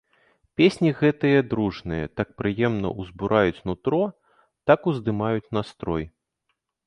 Песні гэтыя дружныя так прыемна ўзбураюць нутро, так уздымаюць настрой.